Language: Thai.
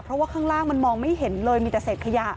เพราะว่าข้างล่างมันมองไม่เห็นเลยมีแต่เศษขยะ